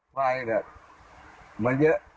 ควายแบบมาเยอะ